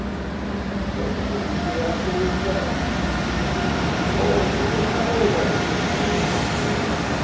"But why didn't you ask him yourself?" "Oh, he'll get tired of me!"